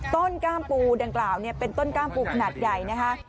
ก้ามปูดังกล่าวเป็นต้นกล้ามปูขนาดใหญ่นะคะ